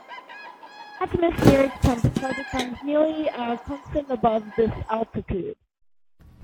Atmospheric temperature becomes nearly a constant above this altitude.